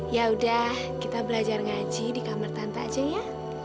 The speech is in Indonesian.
yaudah kita belajar ngaji di kamar tante aja ya